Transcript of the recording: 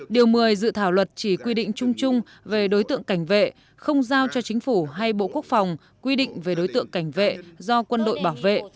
điều một mươi dự thảo luật chỉ quy định chung chung về đối tượng cảnh vệ không giao cho chính phủ hay bộ quốc phòng quy định về đối tượng cảnh vệ do quân đội bảo vệ